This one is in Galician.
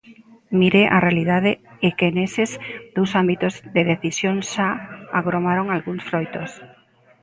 Mire, a realidade é que neses dous ámbitos de decisión xa agromaron algúns froitos.